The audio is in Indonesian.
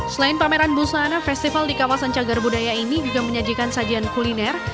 selain pameran busana festival di kawasan cagar budaya ini juga menyajikan sajian kuliner